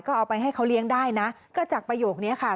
ก็เอาไปให้เขาเลี้ยงได้นะก็จากประโยคนี้ค่ะ